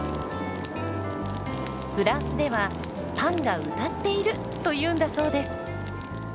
フランスでは「パンが歌っている！」というんだそうです。